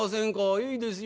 いいですよ。